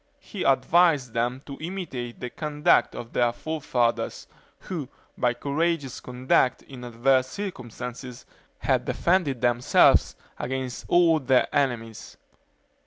He advised them to imitate the conduct of their forefathers, who, by courageous conduct in adverse circumstances, had defended themselves against all their enemies.